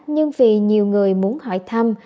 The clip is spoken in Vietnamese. nhưng vì nhiều người muốn hỏi thăm